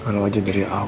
kalau aja dari awal